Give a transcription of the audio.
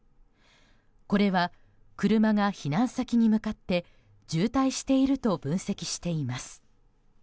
これは車が避難先に向かって渋滞していると分析しています。